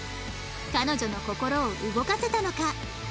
彼女の心を動かせたのか？